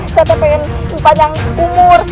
saya pengen panjang umur